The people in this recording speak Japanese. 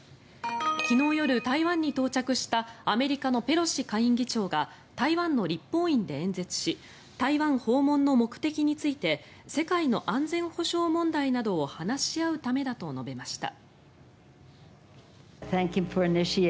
昨日夜、台湾に到着したアメリカのペロシ下院議長が台湾の立法院で演説し台湾訪問の目的について世界の安全保障問題などを話し合うためだと述べました。